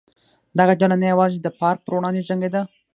دغه ډله نه یوازې د فارک پر وړاندې جنګېده.